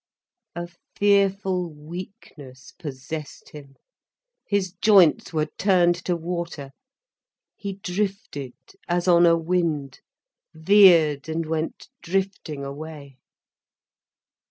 A fearful weakness possessed him, his joints were turned to water. He drifted, as on a wind, veered, and went drifting away.